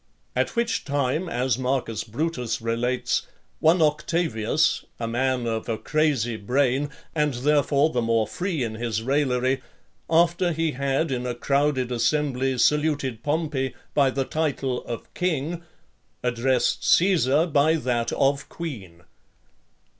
At which time, as Marcus Brutus relates, one Octavius, a man of a crazy brain, and therefore the more free in his raillery, after he had in a crowded assembly saluted Pompey by the title of king, addressed Caesar by that of queen.